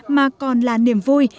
mà còn là niềm vui